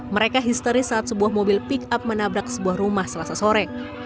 mereka histeris saat sebuah mobil pick up menabrak sebuah rumah selasa sore